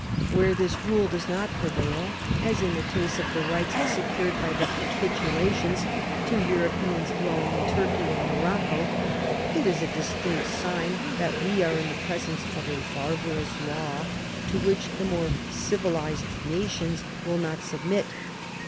"Where this rule does not prevail (as in the case of the rights secured by tlie " capitulations " to Europeans dwelling in Turkey or Morocco) it is a distinct sign that wc are in the pres ence of a barbarous law to which the more civilized nations will not submit.